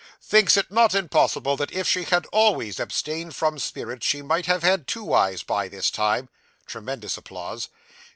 Thinks it not impossible that if she had always abstained from spirits she might have had two eyes by this time (tremendous applause).